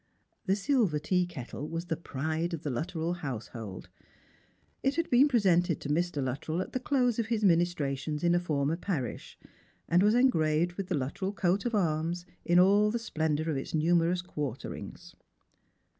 This silver tea kettle was the pride of the Luttrell household. It had been presented to Mr. Luttrell at the close of his minis trations in a former parish, and was engraved with the Luttrell loat of arms in all the splendour of its numerous quarterings.